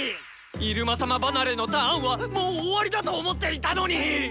「入間様離れ」のターンはもう終わりだと思っていたのに！